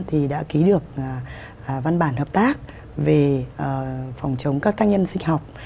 thì đã ký được văn bản hợp tác về phòng chống các tác nhân sinh học